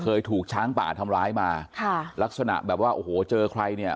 เคยถูกช้างป่าทำร้ายมาค่ะลักษณะแบบว่าโอ้โหเจอใครเนี่ย